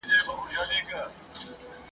ته به سوځې په پانوس کي شمعي مه ساته لمبې دي !.